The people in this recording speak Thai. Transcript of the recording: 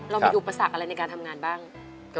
เรามีอุปสรรคอะไรในการทำงานบ้าง